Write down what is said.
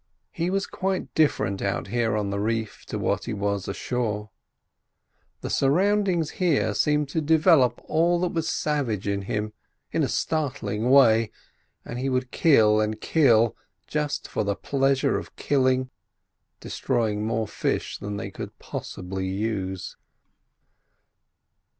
He was quite different out here on the reef to what he was ashore. The surroundings here seemed to develop all that was savage in him, in a startling way; and he would kill, and kill, just for the pleasure of killing, destroying more fish than they could possibly use.